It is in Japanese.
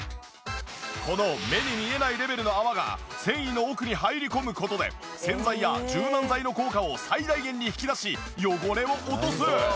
この目に見えないレベルの泡が繊維の奥に入り込む事で洗剤や柔軟剤の効果を最大限に引き出し汚れを落とす！